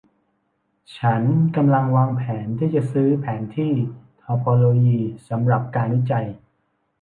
ฉันกำลังวางแผนที่จะซื้อแผนที่ทอพอโลยีสำหรับการวิจัย